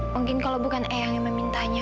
mungkin kalau bukan eyang yang memintanya